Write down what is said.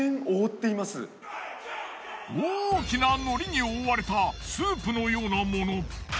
大きなのりに覆われたスープのようなもの。